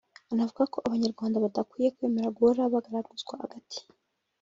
anavuga ko Abanyarwanda badakwiye kwemera guhora bagaraguzwa agati